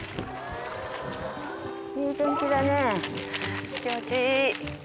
いい天気だね気持ちいい。